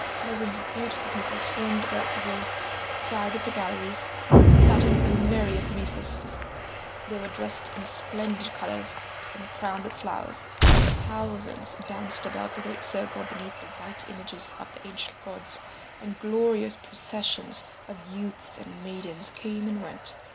Thousands of beautiful people swarmed about the hall, crowded the galleries, sat in a myriad recesses; they were dressed in splendid colours and crowned with flowers; thousands danced about the great circle beneath the white images of the ancient gods, and glorious processions of youths and maidens came and went.